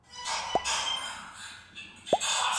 تاریخي شخصیتونه په حقیقت کي زموږ شتمني ده.